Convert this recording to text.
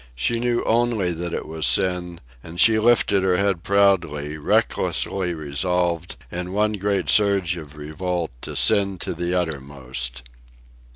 She knew only that it was sin, and she lifted her head proudly, recklessly resolved, in one great surge of revolt, to sin to the uttermost.